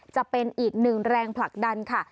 จะเป็นอีกหนึ่งแรงผลักดันค่ะ